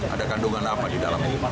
ada kandungan apa di dalamnya